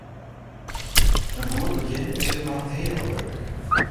In goed begjin is ek mar it heale wurk.